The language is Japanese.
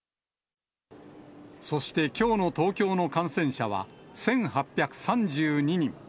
そしてきょうの東京の感染者は１８３２人。